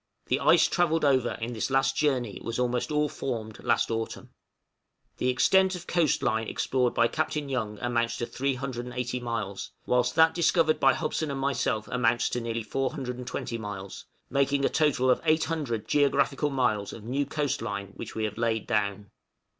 The ice travelled over in this last journey was almost all formed last autumn. The extent of coast line explored by Captain Young amounts to 380 miles, whilst that discovered by Hobson and myself amounts to nearly 420 miles, making a total of 800 geographical miles of new coast line which we have laid down.